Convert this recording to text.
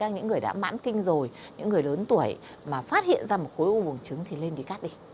những người đã mãn kinh rồi những người lớn tuổi mà phát hiện ra một khối u bùn trứng thì lên đi cắt đi